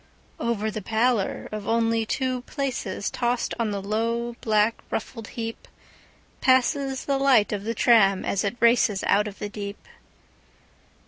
Over the pallor of only two placesTossed on the low, black, ruffled heapPasses the light of the tram as it racesOut of the deep.